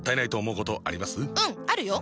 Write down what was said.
うんあるよ！